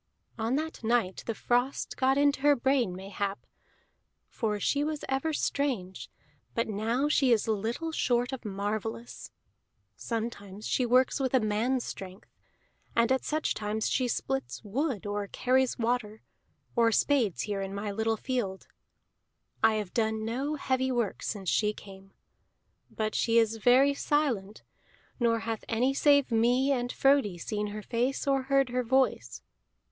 "On that night the frost got in her brain, mayhap; for she was ever strange, but now she is little short of marvellous. Sometimes she works with a man's strength; and at such times she splits wood, or carries water, or spades here in my little field. I have done no heavy work since she came. But she is very silent, nor hath any save me and Frodi seen her face or heard her voice.